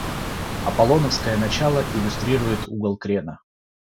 Аполлоновское начало иллюстрирует угол крена.